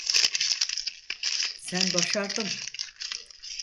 Sen başardın.